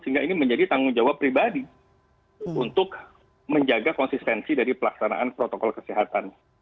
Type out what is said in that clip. sehingga ini menjadi tanggung jawab pribadi untuk menjaga konsistensi dari pelaksanaan protokol kesehatan